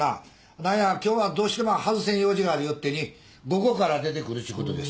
何や今日はどうしても外せん用事があるよってに午後から出てくるっちゅうことです。